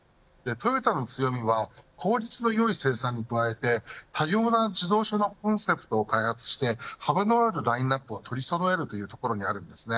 トヨタの強みは効率の良い生産に加えて多様な自動車のコンセプトを開発して幅のあるラインナップを取りそろえていることなんです。